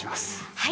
はい。